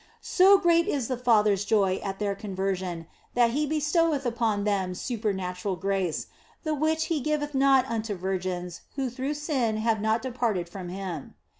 So great is the Father s joy at their conversion that He bestoweth upon them supernatural grace, the which He giveth not unto virgins who through sin have not departed from Him.